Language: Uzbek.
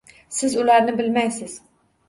Siz ularni bilmaysiz.